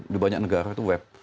di banyak negara itu web